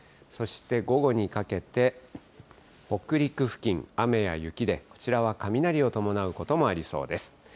そして午後にかけて、北陸付近、雨や雪で、こちらは雷を伴うこともありそうです。